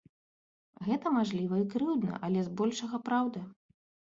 Гэта, мажліва, і крыўдна, але збольшага праўда.